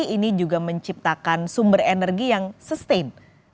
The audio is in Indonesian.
ini juga menciptakan sumber energi yang sustain